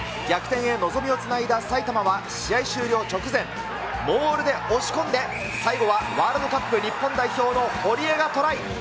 逆転へ望みをつないだ埼玉は、試合終了直前、モールで押し込んで、最後はワールドカップ日本代表の堀江がトライ。